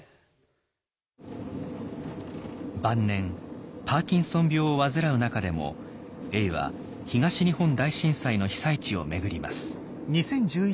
晩年パーキンソン病を患う中でも永は東日本大震災の被災地を巡ります。